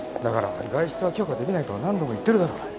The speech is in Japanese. だから外出は許可できないと何度も言ってるだろ。